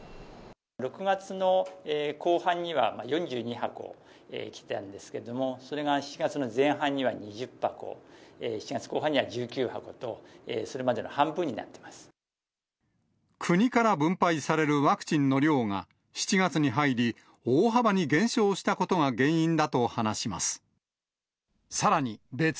６月の後半には、４２箱来てたんですけども、それが７月の前半には２０箱、７月後半には１９箱と、それまで国から分配されるワクチンの量が、７月に入り、大幅に減少したことが原因だと話します。